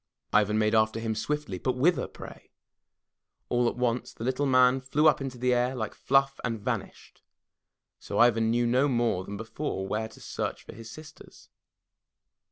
Ivan made after him swiftly — ^but whither, pray? All at once the Little Man flew up in the air like fluff and vanished. So Ivan knew no more than before where to search for his sisters.